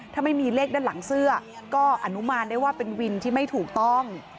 ถ้าไม่มีเลขด้านหลังเสื้อก็อนุมานได้ว่าเป็นวินที่ไม่ถูกต้อง